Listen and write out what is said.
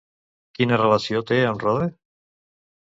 Quina relació té amb Rode?